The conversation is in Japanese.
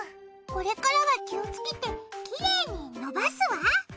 これからは気をつけてきれいにのばすわ。